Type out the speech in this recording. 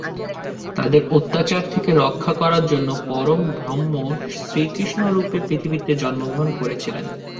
তাঁদের অত্যাচার থেকে রক্ষা করার জন্য পরমব্রহ্ম শ্রীকৃষ্ণরূপে পৃথিবীতে জন্মগ্রহণ করেছিলেন।